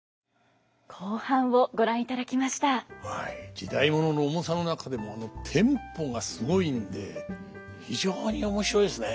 時代物の重さの中でもテンポがすごいんで非常に面白いですね。